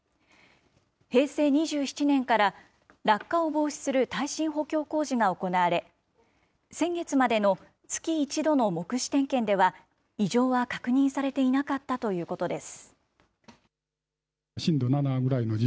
平成２７年から、落下を防止する耐震補強工事が行われ、先月までの月１度の目視点検では、異常は確認されていなかったということです。